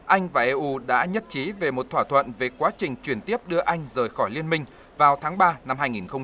anh và eu đã nhất trí về một thỏa thuận về quá trình chuyển tiếp đưa anh rời khỏi liên minh vào tháng ba năm hai nghìn một mươi năm